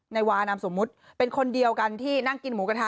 นายวานามสมมุติเป็นคนเดียวกันที่นั่งกินหมูกระทะ